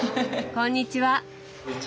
こんにちは。